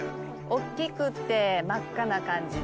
大っきくって真っ赤な感じで。